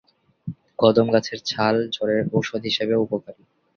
কদম গাছের ছাল জ্বরের ঔষধ হিসেবেও উপকারী।